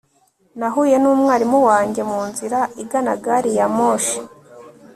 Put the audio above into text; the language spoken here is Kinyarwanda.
nahuye numwarimu wanjye munzira igana gariyamoshi